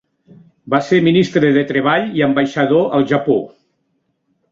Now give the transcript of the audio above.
Va ser ministre de treball i ambaixador al Japó.